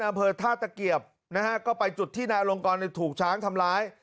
อำเภอท่าตะเกียบนะฮะก็ไปจุดที่นายอลงกรถูกช้างทำร้าย